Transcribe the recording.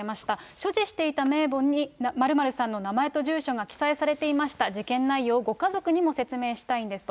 所持していた名簿に、○○さんの名前と住所が記載されていました、事件内容をご家族にも説明したいんですと。